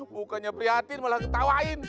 mukanya priatin malah ketawain